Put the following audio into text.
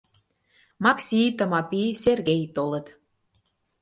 Макси, Тымапи, Сергей толыт.